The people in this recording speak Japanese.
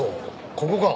ここか？